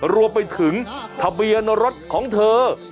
รวมไปถึงทะเบียนรถของเธอ